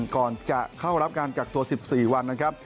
ก่อนจะเข้ารับการกักตัว๑๔วันนะครับ